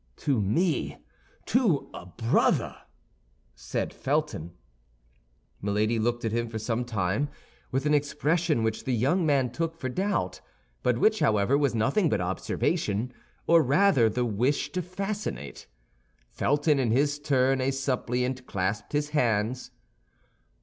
"To me, to a brother?" said Felton. Milady looked at him for some time with an expression which the young man took for doubt, but which, however, was nothing but observation, or rather the wish to fascinate. Felton, in his turn a suppliant, clasped his hands.